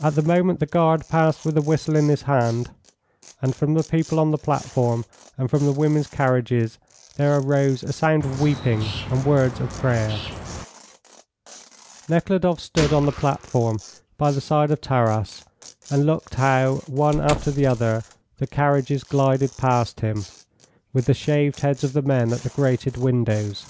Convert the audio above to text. At the moment the guard passed with a whistle in his hand, and from the people on the platform and from the women's carriages there arose a sound of weeping and words of prayer. Nekhludoff stood on the platform by the side of Taras, and looked how, one after the other, the carriages glided past him, with the shaved heads of the men at the grated windows.